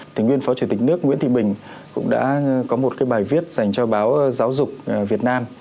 thì nguyên phó chủ tịch nước nguyễn thị bình cũng đã có một bài viết dành cho báo giáo dục việt nam